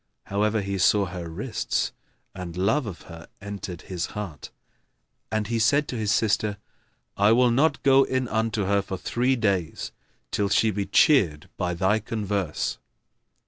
However, he saw her wrists and love of her entered his heart; and he said to his sister, "I will not go in unto her for three days, till she be cheered by thy converse."